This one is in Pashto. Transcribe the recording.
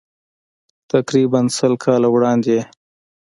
تقریباً سل کاله وړاندې یې.